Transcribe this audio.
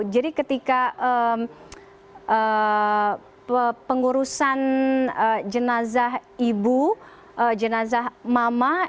jadi ketika pengurusan jenazah ibu jenazah mama